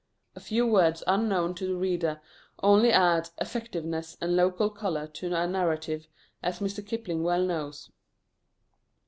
A few words unknown to the reader only add effectiveness and local colour to a narrative, as Mr. Kipling well knows.